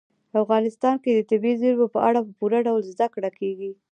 په افغانستان کې د طبیعي زیرمو په اړه په پوره ډول زده کړه کېږي.